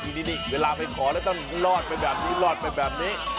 นี่เวลาไปขอแล้วต้องรอดไปแบบนี้รอดไปแบบนี้